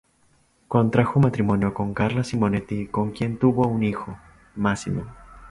Contrajo matrimonio con Carla Simonetti, con quien tuvo un hijo, Massimo.